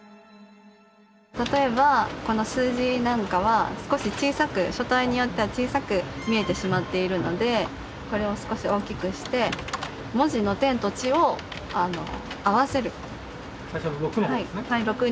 例えばこの数字なんかは少し小さく書体によっては小さく見えてしまっているのでこれを少し大きくして最初の「６」の事ですね。